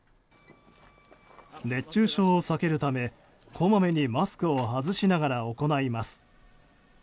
熱中症をさけるためこまめにマスクを外しながら行います。